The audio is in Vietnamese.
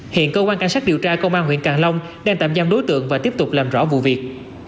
hiện cơ quan cảnh sát điều tra công an huyện càng long đang tạm giam đối tượng và tiếp tục làm rõ vụ việc